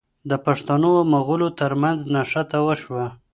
د پښتنو او مغلو ترمنځ نښته وشوه.